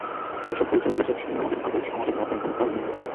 এসব গুরুতর অভিযোগ শুনে আমাদের নাগরিক সমাজেরও রাতের ঘুম হারাম হয়নি।